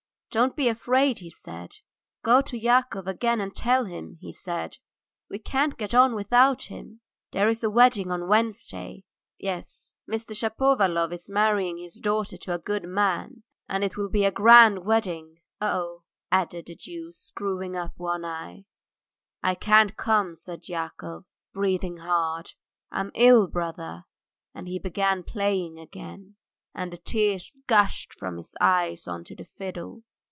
'Don't be afraid,' he said; 'go to Yakov again and tell him,' he said, 'we can't get on without him.' There is a wedding on Wednesday. ... Ye es! Mr. Shapovalov is marrying his daughter to a good man. ... And it will be a grand wedding, oo oo!" added the Jew, screwing up one eye. "I can't come," said Yakov, breathing hard. "I'm ill, brother." And he began playing again, and the tears gushed from his eyes on to the fiddle.